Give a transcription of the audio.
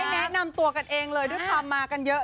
แนะนำตัวกันเองเลยด้วยความมากันเยอะ